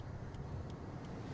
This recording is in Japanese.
え？